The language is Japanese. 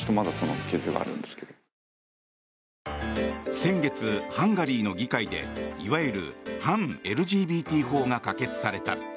先月、ハンガリーの議会でいわゆる反ＬＧＢＴ法が可決された。